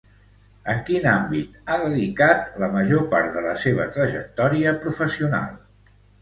En quin àmbit ha dedicat la major part de la seva trajectòria professional?